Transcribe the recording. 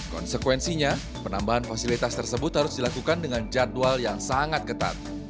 konsekuensinya penambahan fasilitas tersebut harus dilakukan dengan jadwal yang sangat ketat